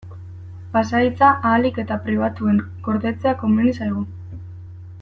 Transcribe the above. Pasahitza ahalik eta pribatuen gordetzea komeni zaigu.